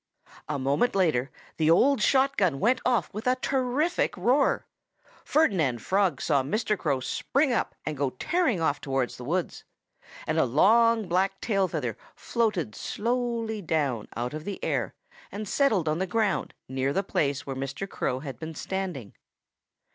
A moment later the old shot gun went off with a terrific roar. Ferdinand Frog saw Mr. Crow spring up and go tearing off towards the woods. And a long, black tail feather floated slowly down out of the air and settled on the ground near the place where Mr. Crow had been standing.